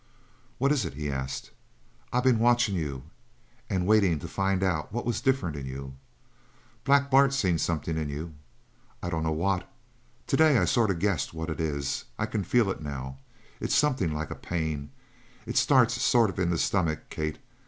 "What is it?" he asked. "I been watchin' you, and waitin' to find out what was different in you. Black Bart seen something in you. I dunno what. Today I sort of guessed what it is. I can feel it now. It's something like a pain. It starts sort of in the stomach, Kate.